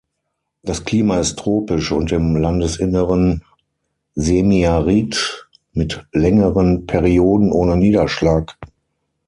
Das Klima ist tropisch und im Landesinneren semiarid mit längeren Perioden ohne Niederschlag.